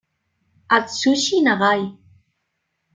Atsushi Nagai